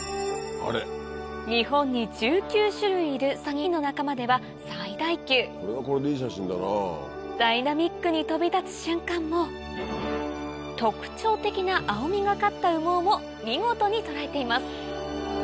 日本に１９種類いるサギの仲間では最大級ダイナミックに飛び立つ瞬間も特徴的な青みがかった羽毛も見事に捉えています